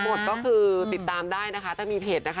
หมดก็คือติดตามได้นะคะถ้ามีเพจนะคะ